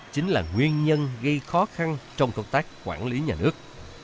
chính là nguyên nhân gây khó khăn trong công tác quản lý nhà nước